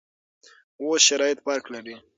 اوس شرایط فرق لري.